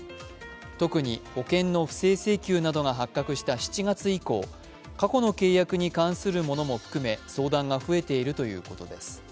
特に保険の不正請求などが発覚した７月以降、過去の契約に関するものも含め相談が増えているということです。